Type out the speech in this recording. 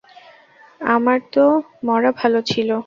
আমার তো মরা ভালো ছিল।